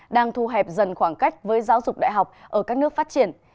đang thu hẹp dần khoảng cách với giáo dục đại học ở các nước phát triển